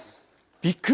びっくり！